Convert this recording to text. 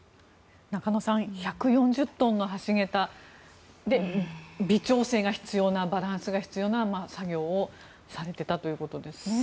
中野さん１４０トンの橋桁で微調整が必要なバランスが必要な作業をされていたということです。